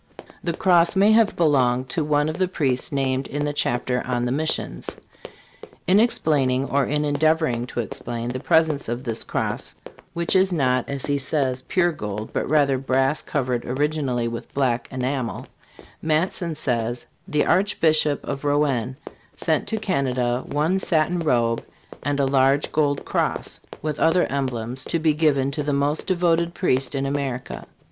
The cross may have belonged to one of the priests named in the chapter on " The Missions." In explaining, or in endeavoring to explain, the presence of this cross (which is not, as he says, pure gold, but rather brass covered originally with black enamel), Matson* says: "The Archbishop of Rouen sent to Canada one satin robe, and a large gold cross, with other emblems, to be given to the most devoted priest in America.